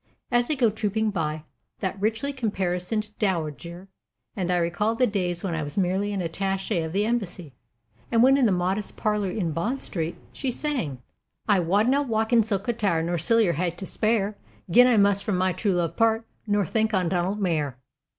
As they go trooping by I mark that richly caparisoned dowager, and I recall the days when I was merely an attache of the embassy, and when in the modest parlor in Bond Street she sang: "'I wadna walk in silk attire, Nor siller hae to spare, Gin I must from my true love part, Nor think on Donald mair."